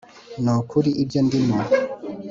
nukuri ibyo ndimo,